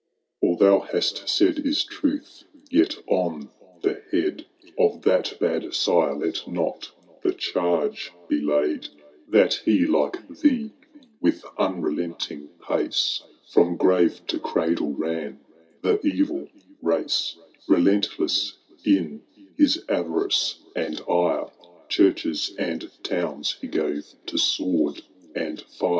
« All thou hast said is truth— Yet on the head Of that bad sire let not the duuge be laid, Tliat he, like thee, with unrelenting pace. From gmre to cradle ran the evil race: —. Belentless in his avarice and ire^ Ghnzches and towns he gave to sword and fire •, CkniO V.